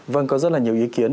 vâng có rất là nhiều ý kiến